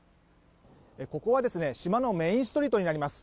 ここは島のメインストリートになります。